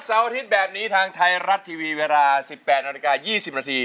เสาร์อาทิตย์แบบนี้ทางไทยรัดทีวีเวลา๑๘น๒๐น